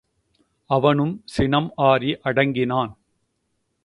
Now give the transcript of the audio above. அவனும் சினம் ஆறி அடங்கினான்.